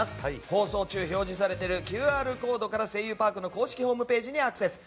放送中表示されているＱＲコードから「声優パーク」の公式ホームページにアクセス。